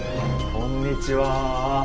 こんにちは。